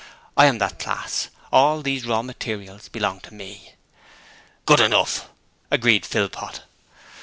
I am that class: all these raw materials belong to me.' 'Good enough!' agreed Philpot.